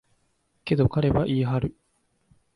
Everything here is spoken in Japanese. けど、彼は言い張る。